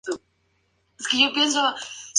Jourdain Jr.